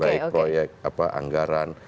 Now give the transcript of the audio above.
baik proyek apa anggaran